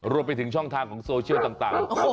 รวมไปถึงช่องทางของโซเชียลต่าง